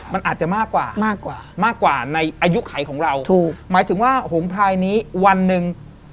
มันอาจจะมากกว่ามากกว่ามากกว่าในอายุไขของเราถูกหมายถึงว่าหงพลายนี้วันหนึ่ง